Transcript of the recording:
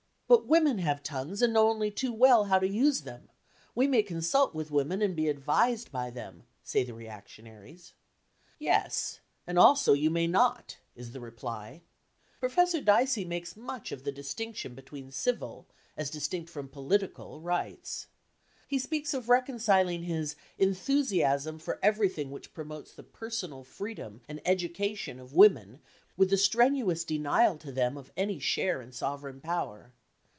"But women have tongues and know only too well how to use them! We may consult with women and be advised by them," say the reactionaries. "Yes. And also you may not," is the reply. Professor Dicey makes much of the distinction between civil, as distinct from political, rights. He speaks of reconciling his "enthusiasm for everything which promotes the personal freedom and education of women with the strenuous denial to them of any share in sovereign power."